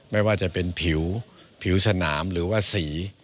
ไม่ว่าจะเป็นผิวผิวสนามหรือว่าสี